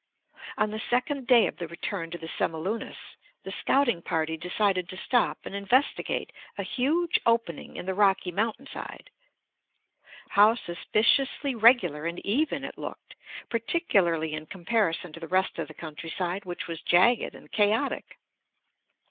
On the second day of the return to the Semilunis, the scouting party decided to stop and investigate a huge opening in the rocky mountainside. How suspiciously regular and even it looked, particularly in comparison to the rest of the countryside which was jagged and chaotic.